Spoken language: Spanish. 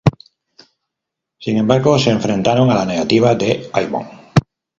Sin embargo, se enfrentaron a la negativa de Ivonne.